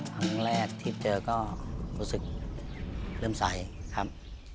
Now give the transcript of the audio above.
ครั้งแรกที่เจอก็รู้สึกเริ่มใสครับ